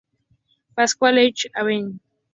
Pascual Echagüe, Av.